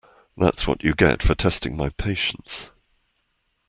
That’s what you get for testing my patience.